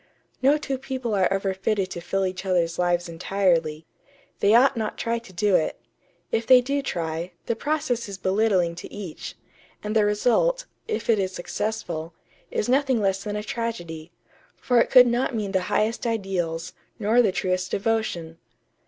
No two people are ever fitted to fill each other's lives entirely. They ought not to try to do it. If they do try, the process is belittling to each, and the result, if it is successful, is nothing less than a tragedy; for it could not mean the highest ideals, nor the truest devotion....